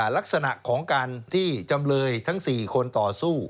ลักษณะของการที่จำเลยทั้ง๔คนต่อสู้